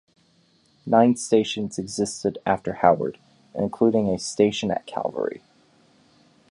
Nine stations existed after Howard, including a station at Calvary.